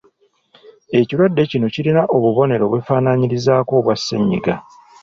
Ekirwadde kino kirina obubonero obwefaanaanyirizaako obwa ssennyiga.